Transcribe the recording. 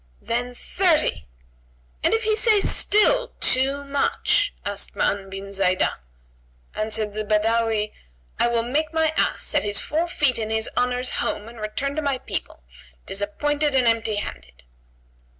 "Then thirty!" "And if he say still, too much?" asked Ma'an bin Zaidah. Answered the Badawi, "I will make my ass set his four feet in his Honour's home[FN#138] and return to my people, disappointed and empty handed."